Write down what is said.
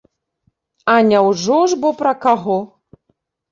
А няўжо ж бо пра каго!